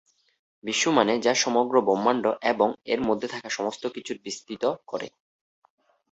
বিষ্ণু মানে যা সমগ্র ব্রহ্মাণ্ড এবং এর মধ্যে থাকা সমস্ত কিছুকে বিস্তৃত করে।